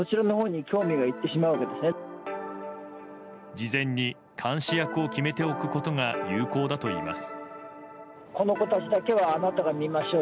事前に監視役を決めておくことが有効だといいます。